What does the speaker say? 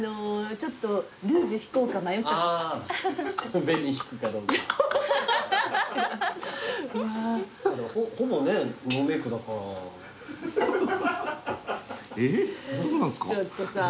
ちょっとさ